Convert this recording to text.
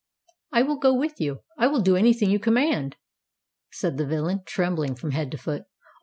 "I will go with you—I will do any thing you command," said the villain, trembling from head to foot.